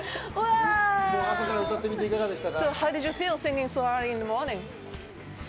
朝から歌ってみていかがでしたか？